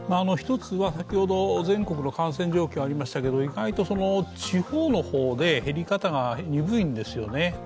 １つは、先ほど全国の感染状況がありましたけど意外と地方の方で減り方が鈍いんですよね。